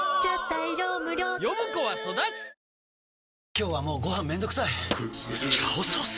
今日はもうご飯めんどくさい「炒ソース」！？